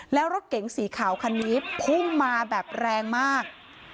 แล้วรถเก๋งสีขาวคันนี้พุ่งมาแบบแรงมาก